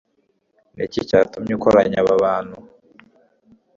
ni iki cyatumye ukoranya aba bantu